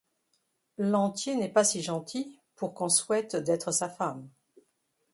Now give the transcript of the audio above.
Lantier n'est pas si gentil pour qu'on souhaite d'être sa femme.